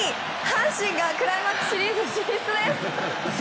阪神がクライマックスシリーズ進出です。